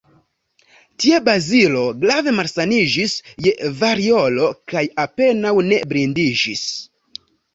Tie Bazilo grave malsaniĝis je variolo kaj apenaŭ ne blindiĝis.